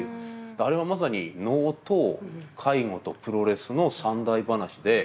あれはまさに能と介護とプロレスの三題噺で。